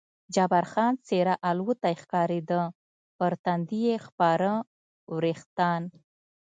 جبار خان څېره الوتی ښکارېده، پر تندي یې خپاره وریښتان.